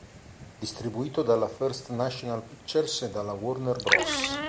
Distribuito dalla First National Pictures e dalla Warner Bros.